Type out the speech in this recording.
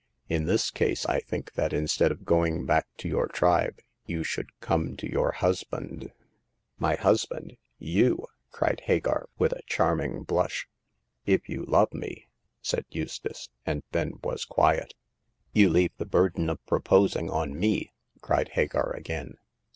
In this case, I think that instead of going back to your tribe you should come to your husband." My husband— you !" cried Hagar, with a charming blush. If you love me," said Eustace, and then was quiet. You leave the burden of proposing on me," cried Hagar, again.